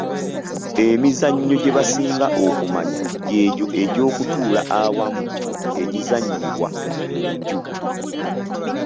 Emizannyo gye basinga okumanya gy'egyo egy'okutuula awamu, egizannyirwa mu nju.